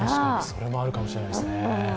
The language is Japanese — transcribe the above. それもあるかもしれないですね。